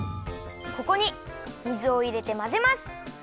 ここに水をいれてまぜます。